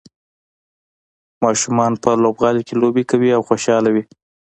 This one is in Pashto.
ماشومان په لوبغالي کې لوبې کوي او خوشحاله وي.